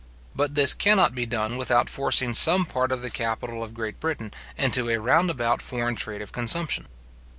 But this cannot be done without forcing some part of the capital of Great Britain into a round about foreign trade of consumption.